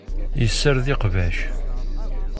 Yessared iqbac.